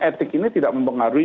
etik ini tidak mempengaruhi